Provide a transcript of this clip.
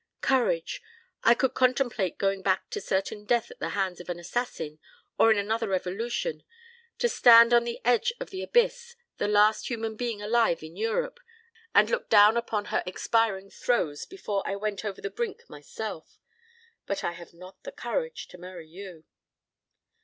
Courage! I could contemplate going back to certain death at the hands of an assassin, or in another revolution; to stand on the edge of the abyss, the last human being alive in Europe, and look down upon her expiring throes before I went over the brink myself. But I have not the courage to marry you."